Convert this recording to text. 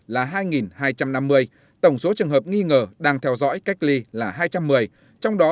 là hai hai trăm năm mươi tổng số trường hợp nghi ngờ đang theo dõi cách ly là hai trăm một mươi trong đó